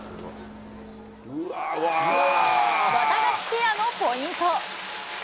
ワタガシペアのポイント。